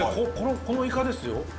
このイカですよ